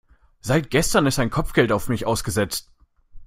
Seit gestern ist ein Kopfgeld auf mich ausgesetzt.